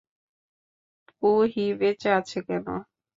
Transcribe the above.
পুহি বেঁচে আছে কেন?